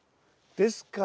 ですから。